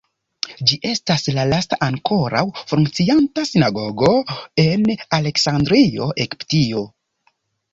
Ĝi estas la lasta ankoraŭ funkcianta sinagogo en Aleksandrio, Egiptio.